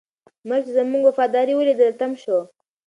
مرګ چې زموږ وفاداري ولیدله، تم شو.